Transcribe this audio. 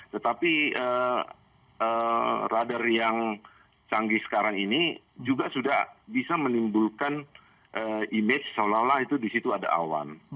tetapi radar yang canggih sekarang ini juga sudah bisa menimbulkan image seolah olah itu di situ ada awan